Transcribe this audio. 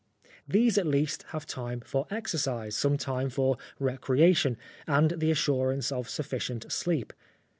These at least have time for exercise, some pause for recreation, andnhe assurance of sufficient sleep.